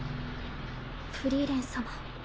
フリーレン様。